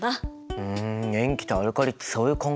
ふん塩基とアルカリってそういう関係なんだね。